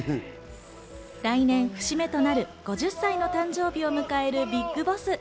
来年、節目となる５０歳の誕生日を迎えるビッグボス。